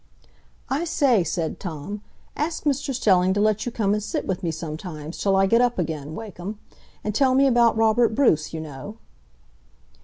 "I say," said Tom, "ask Mr Stelling to let you come and sit with me sometimes, till I get up again, Wakem; and tell me about Robert Bruce, you know."